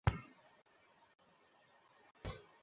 এটা দুর্ঘটনা বলে মনে হচ্ছে না।